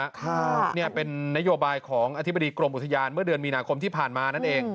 ครับเนี่ยเป็นนโยบายของอธิบดีกรมอุทยานเมื่อเดือนมีนาคมที่ผ่านมานั่นเอง